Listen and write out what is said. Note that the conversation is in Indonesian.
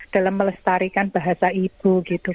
dalam melestarikan bahasa ibu